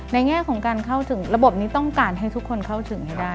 แง่ของการเข้าถึงระบบนี้ต้องการให้ทุกคนเข้าถึงให้ได้